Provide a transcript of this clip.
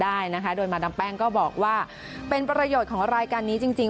ได้นะคะโดยมาดามแป้งก็บอกว่าเป็นประโยชน์ของรายการนี้จริงจริง